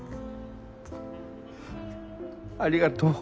ありがとう。